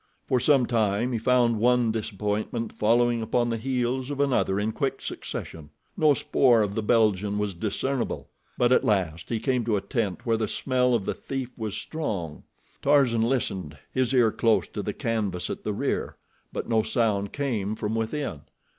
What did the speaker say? For some time he found one disappointment following upon the heels of another in quick succession. No spoor of the Belgian was discernible. But at last he came to a tent where the smell of the thief was strong. Tarzan listened, his ear close to the canvas at the rear, but no sound came from within.